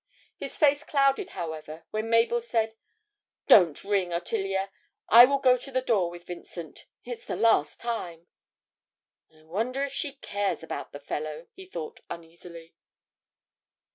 His face clouded, however, when Mabel said 'Don't ring, Ottilia. I will go to the door with Vincent it's the last time.' 'I wonder if she cares about the fellow!' he thought uneasily.